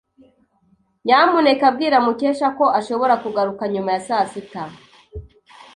Nyamuneka bwira Mukesha ko ashobora kugaruka nyuma ya sasita.